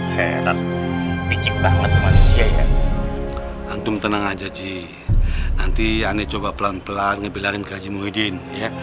hentai banget ya antum tenang aja ji nanti aneh coba pelan pelan ngebilarin kaji muhyiddin ya